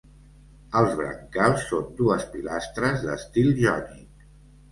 Els brancals són dues pilastres d'estil jònic.